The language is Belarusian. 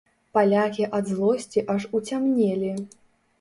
Палякі ад злосці аж уцямнелі.